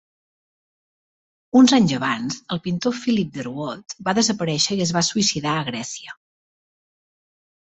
Uns anys abans, el pintor Philip Derwatt va desaparèixer i es va suïcidar a Grècia.